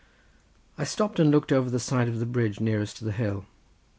I stopped and looked over the side of the bridge nearest to the hill.